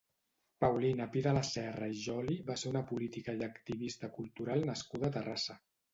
Paulina Pi de la Serra i Joly va ser una política i activista cultural nascuda a Terrassa.